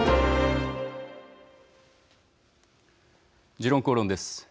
「時論公論」です。